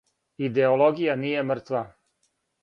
Идеологија није мртва.